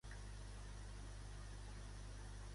Quin dia toca menjar hummus amb crudités?